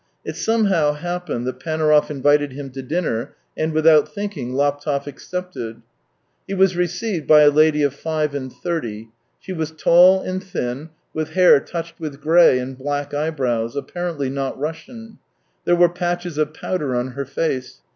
It somehow happened that Panaurov invited him to dinner, and without thinking, Laptev accepted. He was received by a lady of five and thirty. She was tall and thin, with hair touched with grey, and black eyebrows, apparently not Russian. There were white patches of powder on her face.